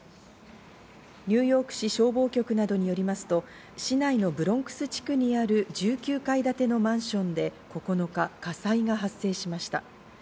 ニューヨーク市消防局などによりますと市内のブロンクス地区にある１９階建てのマンションで９日、火災が発生しました。